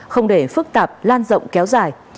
không để phức tạp lan rộng kéo dài